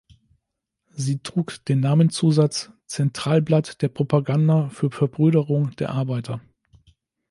Sie trug den Namenszusatz "„Centralblatt der Propaganda für Verbrüderung der Arbeiter“".